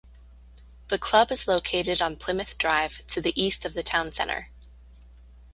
The club is located on Plymouth Drive to the east of the town centre.